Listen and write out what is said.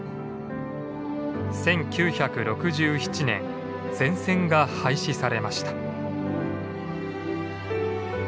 １９６７年全線が廃止されました。